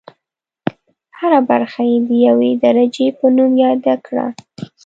هره برخه یې د یوې درجې په نوم یاده کړه.